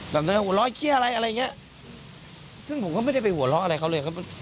หัวร้อยเขี้ยอะไรอะไรอย่างเงี้ยซึ่งผมก็ไม่ได้ไปหัวเราะอะไรเขาเลย